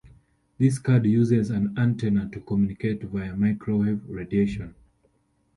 This card uses an antenna to communicate via microwave radiation.